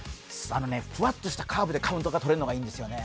ふわっとしたカーブでカウントが取れるのがいいんですよね。